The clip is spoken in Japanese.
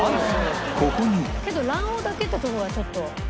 ここにけど卵黄だけってとこがちょっと。